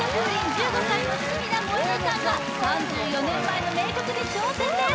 １５歳の住田萌乃さんが３４年前の名曲で挑戦です